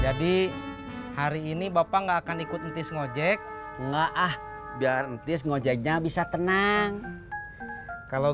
jadi hari ini bapak nggak akan ikut ntis ngojek enggak ah biaran tis ngojek nya bisa tenang kalau